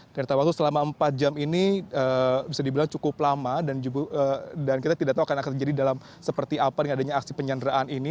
dari waktu selama empat jam ini bisa dibilang cukup lama dan kita tidak tahu akan akan terjadi dalam seperti apa dengan adanya aksi penyanderaan ini